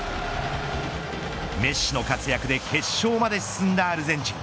メッシの活躍で決勝まで進んだアルゼンチン。